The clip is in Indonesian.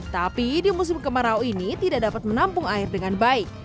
tapi di musim kemarau ini tidak dapat menampung air dengan baik